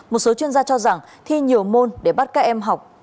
một số chuyên gia cho rằng thi nhiều môn để bắt các em học